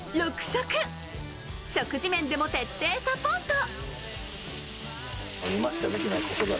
食事面でも徹底サポート。